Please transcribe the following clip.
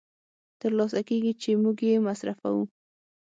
تر لاسه کېږي چې موږ یې مصرفوو